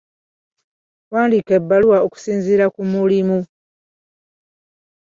Wandiika ebbaluwa okusinziira ku mulimu.